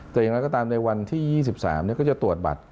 แต่อย่างไรก็ตามในวันที่๒๓ก็จะตรวจบัตร